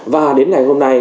và đến ngày hôm nay